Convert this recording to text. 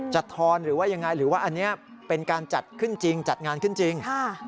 ทอนหรือว่ายังไงหรือว่าอันนี้เป็นการจัดขึ้นจริงจัดงานขึ้นจริง